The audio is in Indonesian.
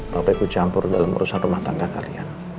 papa ikut campur dalam urusan rumah tangga kalian